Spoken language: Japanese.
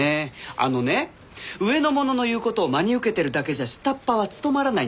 あのね上の者の言う事を真に受けてるだけじゃ下っ端は務まらないんですよ。